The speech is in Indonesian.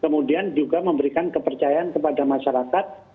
kemudian juga memberikan kepercayaan kepada masyarakat